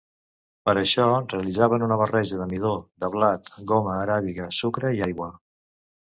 Per a això, realitzaven una barreja de midó de blat, goma aràbiga, sucre i aigua.